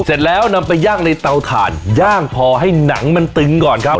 เสร็จแล้วนำไปย่างในเตาถ่านย่างพอให้หนังมันตึงก่อนครับ